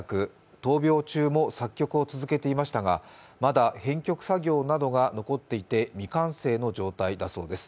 闘病中も作曲を続けていましたが、まだ編曲作業などが残っていて未完成の状態だそうです。